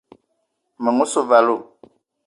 Meng osse vala.